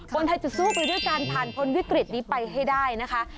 คนไทยจะสู้ไปด้วยการผ่านพ้นวิกฤตนี้ไปให้ได้นะคะ